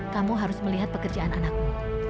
kamu harus melihat pekerjaan anakmu